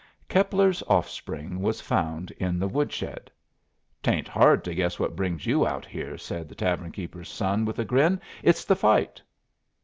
Keppler's offspring was found in the woodshed. "Tain't hard to guess what brings you out here," said the tavern keeper's son, with a grin; "it's the fight."